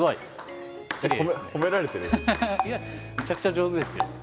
めちゃくちゃ上手ですよ。